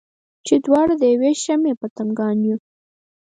چې دواړه د یوې شمعې پتنګان یو.